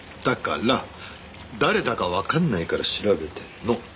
だから誰だかわかんないから調べてるの。